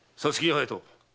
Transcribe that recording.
隼人。